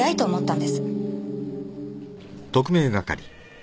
ん？